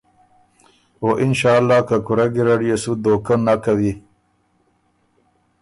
او اِنشأاللّٰه که کُورۀ ګیرډ يې سو دهوکۀ نک کوی۔